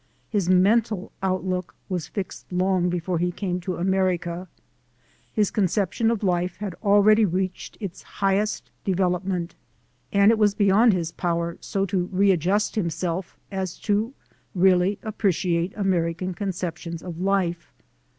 His mental outlook was fixed long before he came to America; his con ception of life had already reached its highest de velopment, and it was beyond his power so to re adjust himself as to really appreciate American conceptions of life.